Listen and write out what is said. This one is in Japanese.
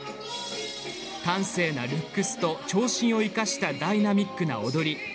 端正なルックスと長身を生かしたダイナミックな踊り。